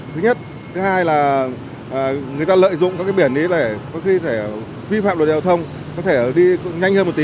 thứ nhất thứ hai là người ta lợi dụng các cái biển ấy để có khi phải vi phạm đồ đèo thông có thể đi nhanh hơn một tí